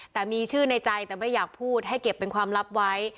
แต่มีชื่อในใจแต่ไม่อยากพูดให้เก็บเป็นความลับไว้